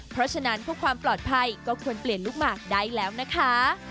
เพราะฉะนั้นเพื่อความปลอดภัยก็ควรเปลี่ยนลูกหมากได้แล้วนะคะ